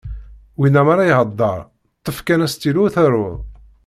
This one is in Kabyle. Winna m'ara ihedder, ṭṭef kan astilu taruḍ.